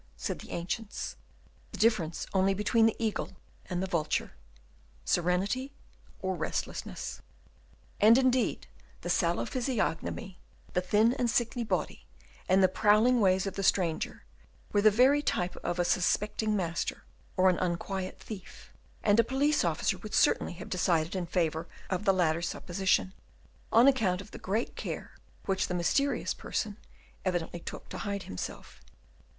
said the ancients. The difference only between the eagle and the vulture, serenity or restlessness. And indeed the sallow physiognomy, the thin and sickly body, and the prowling ways of the stranger, were the very type of a suspecting master, or an unquiet thief; and a police officer would certainly have decided in favour of the latter supposition, on account of the great care which the mysterious person evidently took to hide himself.